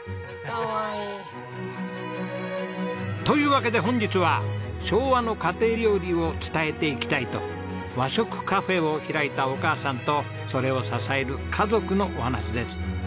というわけで本日は昭和の家庭料理を伝えていきたいと和食カフェを開いたお母さんとそれを支える家族のお話です。